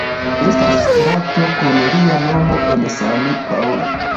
Estas strato kun lia nomo en San-Paŭlo.